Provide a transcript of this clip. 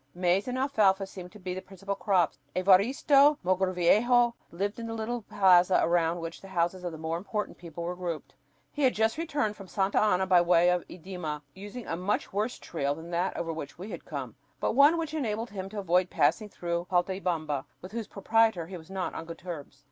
Maize and alfalfa seemed to be the principal crops. Evaristo Mogrovejo lived on the little plaza around which the houses of the more important people were grouped. He had just returned from Santa Ana by the way of Idma, using a much worse trail than that over which we had come, but one which enabled him to avoid passing through Paltaybamba, with whose proprietor he was not on good terms.